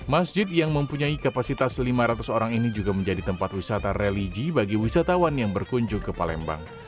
masjid yang mempunyai kapasitas lima ratus orang ini juga menjadi tempat wisata religi bagi wisatawan yang berkunjung ke palembang